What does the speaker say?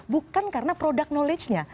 bukan karena product knowledge nya